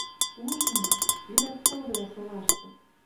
Ужыма, йӧрӓт тылвлӓ солашты.